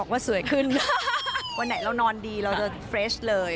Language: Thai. วันไหนเรานอนดีเราจะเฟรชเลย